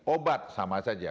obat sama saja